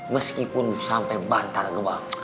meskipun sampai bantar gebang